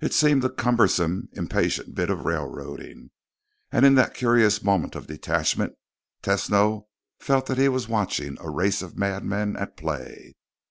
It seemed a cumbersome, impatient bit of railroading. And in that curious moment of detachment, Tesno felt that he was watching a race of madmen at play.